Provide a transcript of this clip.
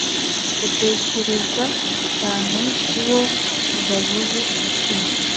utekereza cyane ku bo mudahuje igitsina